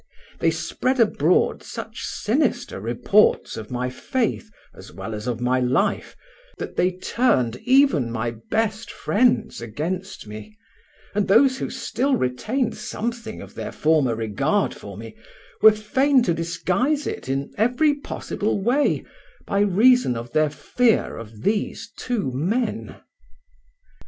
They spread abroad such sinister reports of my faith as well as of my life that they turned even my best friends against me, and those who still retained something of their former regard for me were fain to disguise it in every possible way by reason of their fear of these two men.